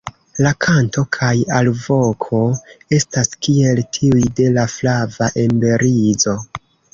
La kanto kaj alvoko estas kiel tiuj de la Flava emberizo.